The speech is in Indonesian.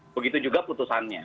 begitu juga putusannya